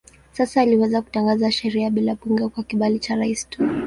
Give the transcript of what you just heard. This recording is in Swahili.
Sasa aliweza kutangaza sheria bila bunge kwa kibali cha rais tu.